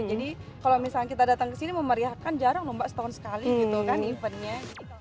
jadi kalau misalnya kita datang kesini memeriahkan jarang lomba setahun sekali gitu kan eventnya